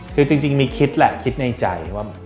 คือจริงมีคิดแหละคิดในใจว่า